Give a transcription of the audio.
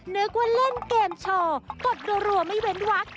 นึกว่าเล่นเกมโชว์กดรัวไม่เว้นวัก